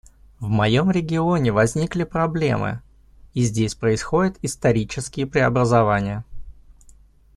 В моем регионе возникли проблемы, и здесь происходят исторические преобразования.